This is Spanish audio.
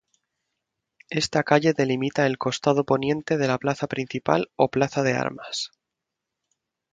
Esta calle delimita el costado poniente de la plaza principal o Plaza de Armas.